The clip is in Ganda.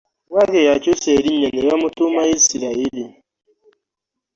Bwatyo yakyuusa erinnya nebamutuuma Yisirayiri .